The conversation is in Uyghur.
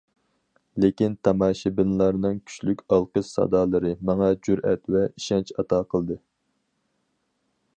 لېكىن تاماشىبىنلارنىڭ كۈچلۈك ئالقىش سادالىرى ماڭا جۈرئەت ۋە ئىشەنچ ئاتا قىلدى.